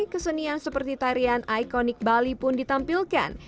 kesenian seperti tarian ikonik bali pun ditampilkan